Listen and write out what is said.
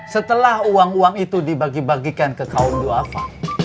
setelah uang uang itu dibagi bagikan ke kaum do'afa